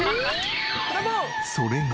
それが。